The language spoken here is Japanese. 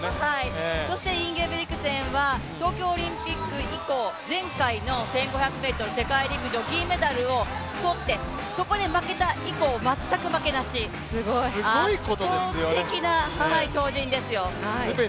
そしてインゲブリクセンは東京オリンピック以降、前回の１５００ｍ世界陸上銀メダルを取ってそこで負けた以降、全く負けなし、圧倒的な超人ですよ。